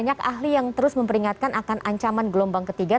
banyak ahli yang terus memperingatkan akan ancaman gelombang ketiga